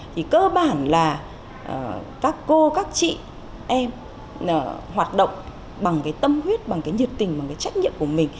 thì cơ bản là các cô các chị em hoạt động bằng cái tâm huyết bằng cái nhiệt tình bằng cái trách nhiệm của mình